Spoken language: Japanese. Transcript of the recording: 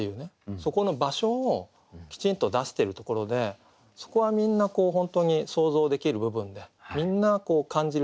そこの場所をきちんと出せてるところでそこはみんな本当に想像できる部分でみんな感じるところですよね。